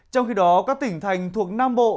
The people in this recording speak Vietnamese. trong khi đó các tỉnh thành thuộc nam bộ